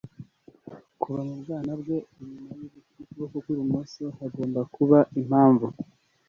kuva mu bwanwa bwe inyuma yukuboko kwi bumoso. hagomba kubaho impamvu